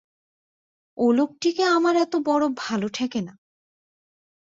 ও লোকটিকে আমার তো বড়ো ভালো ঠেকে না।